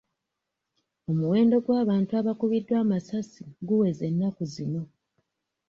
Omuwendo gw'abantu abakubiddwa amasasi guweze ennaku zino.